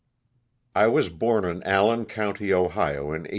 T WAS born in Allen county, ^ Ohio, in 1839.